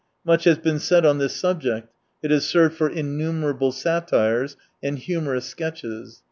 Much has been said on this subject, it has served for innumerable satires and humorous sketches.